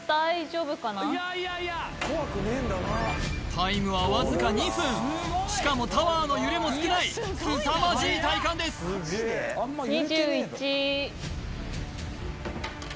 タイムはわずか２分しかもタワーの揺れも少ないすさまじい体幹です２１！